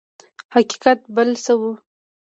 حقیقت بل څه و.